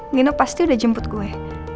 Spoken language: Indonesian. nino pasti udah jemput gue